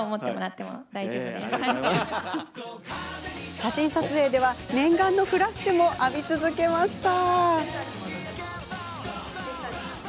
写真撮影では念願のフラッシュも浴び続けました。